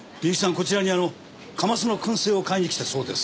こちらにカマスの薫製を買いに来たそうですが。